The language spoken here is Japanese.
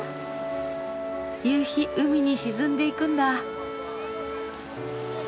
夕日海に沈んでいくんだ。